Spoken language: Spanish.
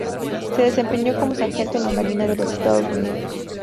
Se desempeñó como sargento en la Marina de los Estados Unidos.